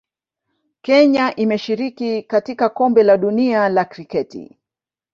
Kenya imeshiriki katika Kombe la Dunia la Kriketi